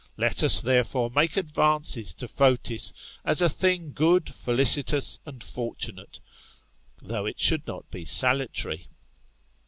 Let us therefore, make advances to Fotis, as a /Jkin^ good^ feliciithis^andfortunate^ though it should not be salutary.